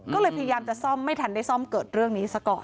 ก็เลยพยายามจะซ่อมไม่ทันได้ซ่อมเกิดเรื่องนี้ซะก่อน